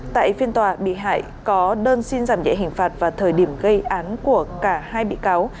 tại phiên tòa bị hại có đơn xin giảm nhẹ hình phạt và thời điểm gây án của cả hai bị cáo